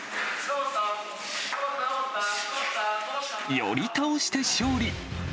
寄り倒して勝利。